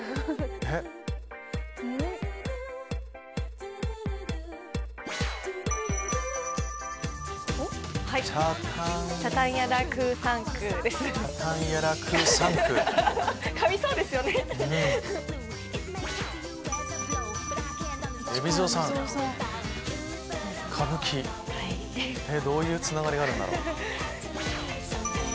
えっどういうつながりがあるんだろう。